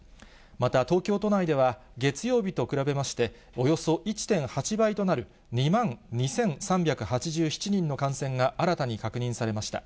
また東京都内では、月曜日と比べまして、およそ１．８倍となる２万２３８７人の感染が新たに確認されました。